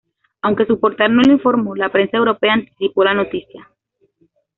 Aunque su portal no lo informó, la prensa europea anticipó la noticia.